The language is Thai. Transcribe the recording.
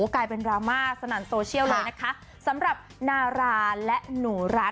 กลายเป็นดราม่าสนั่นโซเชียลเลยนะคะสำหรับนาราและหนูรัก